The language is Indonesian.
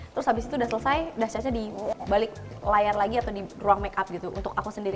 terus habis itu udah selesai dah caca di balik layar lagi atau di ruang make up gitu untuk aku sendiri